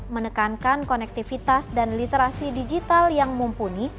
menekankan konektivitas dan literasi digital yang mumpuni